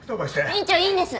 院長いいんです！